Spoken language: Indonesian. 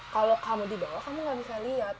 kalau kamu di bawah kamu gak bisa lihat